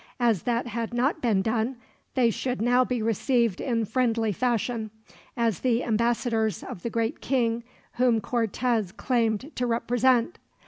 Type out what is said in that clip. As that had not been done, they should now be received in friendly fashion, as the ambassadors of the great king whom Cortez claimed to represent.